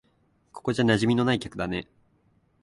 ここじゃ馴染みのない客だね。